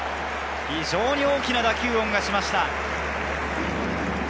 非常に大きな打球音がしました。